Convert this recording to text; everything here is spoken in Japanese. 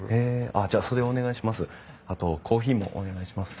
あっじゃあそれお願いします。